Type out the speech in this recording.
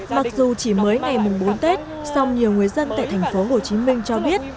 mặc dù chỉ mới ngày mùng bốn tết song nhiều người dân tại thành phố hồ chí minh cho biết